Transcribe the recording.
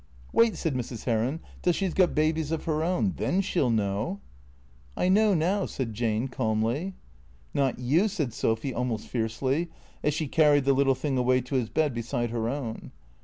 " Wait," said Mrs. Heron, " till she 's got babies of her own. Then she '11 know." *' I know now," said Jane calmly. " Not you," said Sophy almost fiercely, as she carried the little thing away to his bed beside her own.